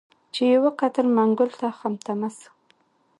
چي یې وکتل منګول ته خامتما سو